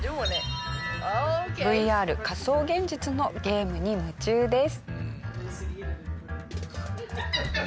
ＶＲ仮想現実のゲームに夢中です。